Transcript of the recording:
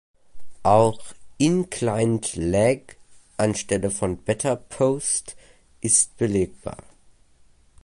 Auch "inclined-leg" an Stelle von batter-post ist belegbar.